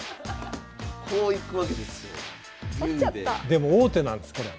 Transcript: でも王手なんですこれ。